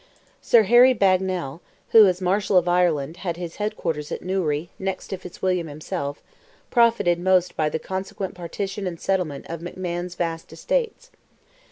Sir Harry Bagnal who, as Marshal of Ireland, had his head quarters at Newry, next to Fitzwilliam himself, profited most by the consequent partition and settlement of McMahon's vast estates.